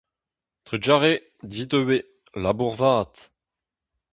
Trugarez, dit ivez, labour vat !